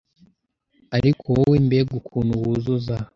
Ariko wowe, mbega ukuntu wuzuza